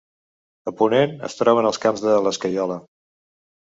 A ponent es troben els Camps de l'Escaiola.